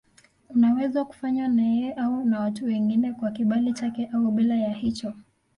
Unaweza kufanywa naye au na watu wengine kwa kibali chake au bila ya hicho.